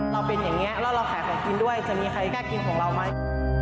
เราเป็นอย่างนี้แล้วเราขายของกินด้วยจะมีใครกล้ากินของเราไหม